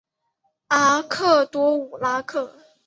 阿克多武拉克。